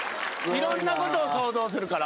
いろんなことを想像するから。